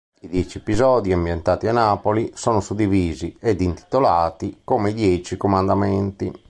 I dieci episodi, ambientati a Napoli, sono suddivisi ed intitolati come i Dieci comandamenti.